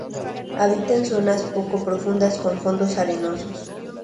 Habita en zonas poco profundas con fondos arenosos.